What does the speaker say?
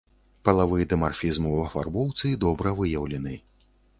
Палавы дымарфізм у афарбоўцы добра выяўлены.